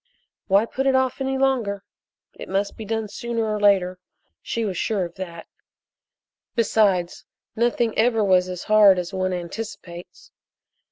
Why put it off any longer? It must be done sooner or later she was sure of that. Besides, nothing ever was as hard as one anticipates.